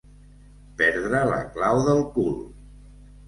Perdre la clau del cul.